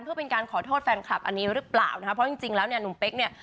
เพื่อเป็นการขอโทษแฟนคลับอันนี้หรือเปล่านะคะเพราะจริงจริงแล้วเนี่ยหนุ่มเป๊กเนี่ย